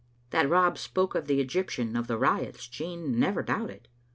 That Rob spoke of the Egyptian of the riots Jean never doubted.